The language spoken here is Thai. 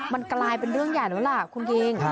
มันกลายเป็นเรื่องใหญ่แล้วล่ะคุณคิง